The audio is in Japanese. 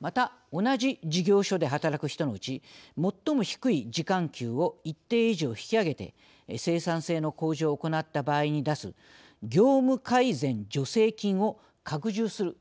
また同じ事業所で働く人のうち最も低い時間給を一定以上引き上げて生産性の向上を行った場合に出す業務改善助成金を拡充するといったことも挙げています。